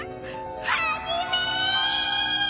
ハジメ！